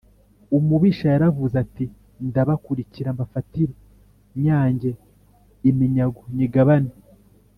“umubisha yaravuze ati ‘ndabakurikira mbafatīre, nyage iminyago nyigabane,